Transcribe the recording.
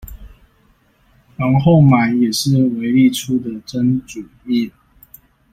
然後買也是維力出的蒸煮麵